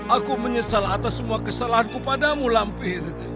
aku menyesal atas semua kesalahanku padamu lampir